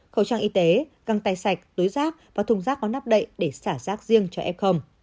khẩu trang y tế găng tay sạch túi rác và thùng rác có nắp đậy để xả rác riêng cho f